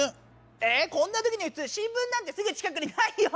えっこんなときにふつう新聞なんてすぐ近くにないよ。